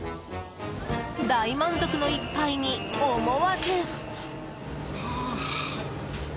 大満足の一杯に、思わず。